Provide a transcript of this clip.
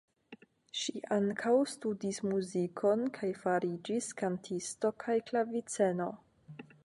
Ŝi ankaŭ studis muzikon kaj fariĝis kantisto kaj klaviceno.